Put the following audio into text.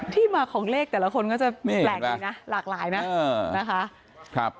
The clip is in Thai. ที่มาของเลขแต่ละคนก็จะแปลกดีนะหลากหลายนะนะคะ